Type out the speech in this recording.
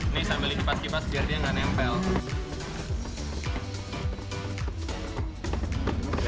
ini sambil kipas kipas agar dia tidak menempel